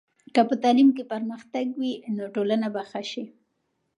که په تعلیم کې پرمختګ وي، نو ټولنه به ښه شي.